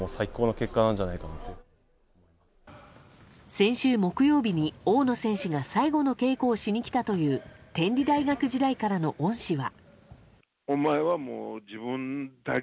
先週木曜日に大野選手が最後の稽古をしに来たという天理大学時代からの恩師は。